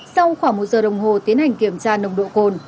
sau khoảng một giờ đồng hồ tiến hành kiểm tra nồng độ cồn